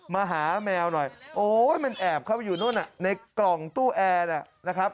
มาหาแมวหน่อยโอ๊ยมันแอบเข้าไปอยู่นู่นในกล่องตู้แอร์นะครับ